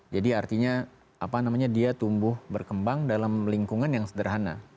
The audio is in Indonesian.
jadi artinya apa namanya dia tumbuh berkembang dalam lingkungan yang sederhana